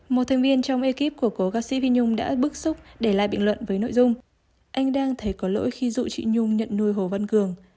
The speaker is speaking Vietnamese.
một thành viên trong ekip của cổ ca sĩ phi nhung đã bức xúc để lại bình luận với nội dung